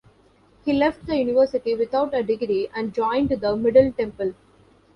He left the university without a degree, and joined the Middle Temple.